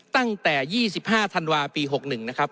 ตั้งแต่๒๕ธันวาปี๖๑นะครับ